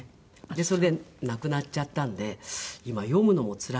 それで亡くなっちゃったんで今読むのもつらくて。